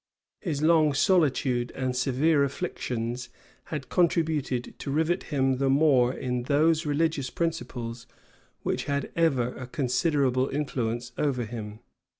His long solitude and severe afflictions had contributed to rivet him the more in those religious principles which had ever a considerable influence over him.